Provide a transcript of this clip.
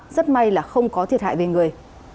rất may là không có thiệt hại về người